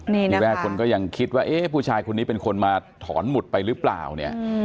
ทีแรกคนก็ยังคิดว่าเอ๊ะผู้ชายคนนี้เป็นคนมาถอนหมุดไปหรือเปล่าเนี่ย